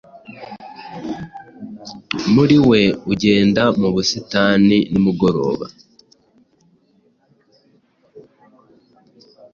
Muri we ugenda mu busitani nimugoroba